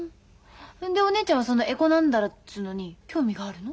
でお姉ちゃんはそのエコ何だらっつうのに興味があるの？